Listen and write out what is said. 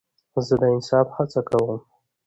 زه د انصاف هڅه کوم.